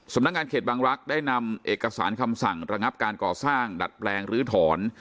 สำนักงานเขตบางรักษ์ได้นำเอกสารคำสั่งระงับการก่อสร้างดัดแปลงลื้อถอน